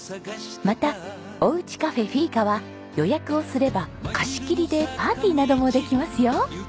またおうちカフェフィーカは予約をすれば貸し切りでパーティーなどもできますよ。